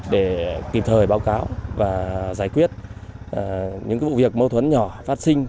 để kịp thời báo cáo và giải quyết những vụ việc mâu thuẫn nhỏ phát sinh